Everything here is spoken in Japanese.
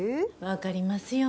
分かりますよ。